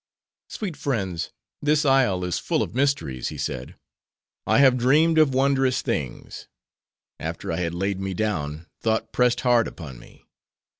"Sweet friends! this isle is full of mysteries," he said. "I have dreamed of wondrous things. After I had laid me down, thought pressed hard upon me.